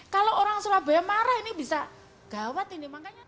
kalau orang surabaya marah ini bisa gawat ini